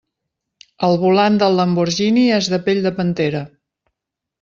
El volant del Lamborghini és de pell de pantera.